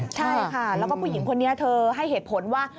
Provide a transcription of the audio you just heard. ใช่ค่ะแล้วก็ผู้หญิงคนนี้เธอให้เหตุผลว่า